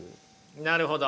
なるほど。